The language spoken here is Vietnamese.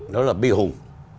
nó là bi hùng